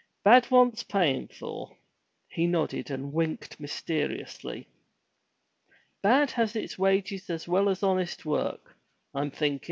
Bad wants payin' for." He nodded and winked mysteriously. "Bad has its wages as well as honest work, I'm thinkin'.